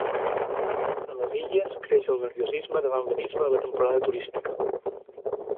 A les Illes, creix el nerviosisme davant l’abisme de la temporada turística.